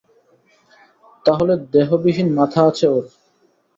তাহলে, দেহবিহীন মাথা আছে ওর।